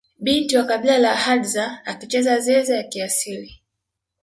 Binti wa kabila la hadza akicheza zeze ya kiasili